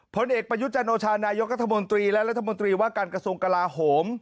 ผลเอกประยุจจันโชภานายกรรภ์และรัฐมนตรีว่าการกระทรวงกราหม